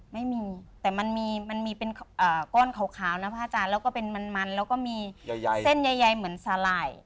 ไม่มีแต่มันมีเป็นก้อนขาวนะพระอาจารย์แล้วก็เป็นมันแล้วก็มีเส้นใหญ่เหมือนสาหร่าย